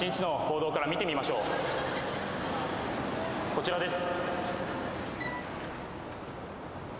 こちらです。